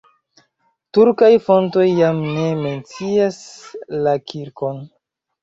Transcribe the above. Turkaj fontoj jam ne mencias la kirkon.